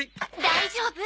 大丈夫！